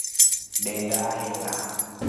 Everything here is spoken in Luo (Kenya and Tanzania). Denda ila